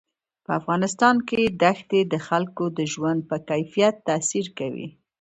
په افغانستان کې دښتې د خلکو د ژوند په کیفیت تاثیر کوي.